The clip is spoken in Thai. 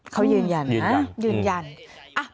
เขายืนยันนะ